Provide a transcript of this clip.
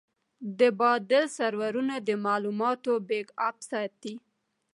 د بادل سرورونه د معلوماتو بیک اپ ساتي.